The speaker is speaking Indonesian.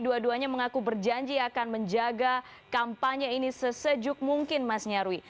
dua duanya mengaku berjanji akan menjaga kampanye ini sesejuk mungkin mas nyarwi